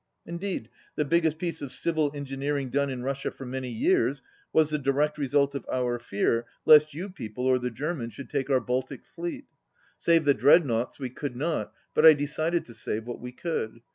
"Indeed, the biggest piece of civil engineering done in Russia for many years was the direct result of our fear lest you people or the Germans should 98 take our Baltic fleet. Save the dreadnoughts we could not, but I decided to save what we could.